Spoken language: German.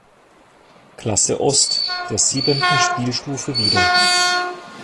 Klasse Ost", der siebenten Spielstufe, wieder.